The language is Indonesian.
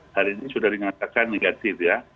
hari ini sudah dinyatakan negatif ya